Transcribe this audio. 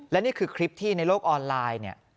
และนี่คือคลิปที่ในโลกออนไลน์เนี่ย